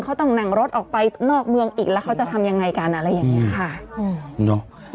เขาต้องนั่งรถออกไปนอกเมืองอีกแล้วเขาจะทำยังไงกันอะไรอย่างเงี้ยค่ะอืมเนอะ